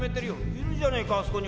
「いるじゃねえかあそこに。